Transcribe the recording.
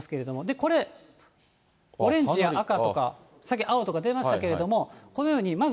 これ、オレンジや赤とか、さっき、青とか出ましたけれども、このように、まず。